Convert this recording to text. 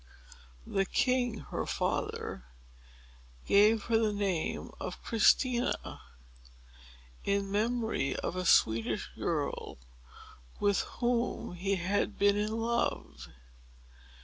The king, her father, gave her the name of Christina, in memory of a Swedish girl with whom he had been in love.